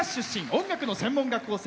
音楽の専門学校生。